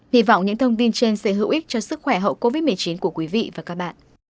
hy vọng những thông tin trên sẽ hữu ích cho sức khỏe hậu covid một mươi chín của quý vị và các bạn